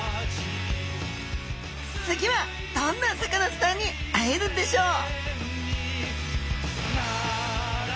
次はどんなサカナスターに会えるんでしょう？